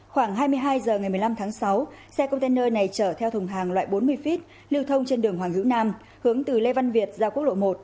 khoảng hai mươi hai h ngày một mươi năm tháng sáu xe container này chở theo thùng hàng loại bốn mươi feet lưu thông trên đường hoàng hữu nam hướng từ lê văn việt ra quốc lộ một